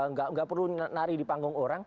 nggak perlu nari di panggung orang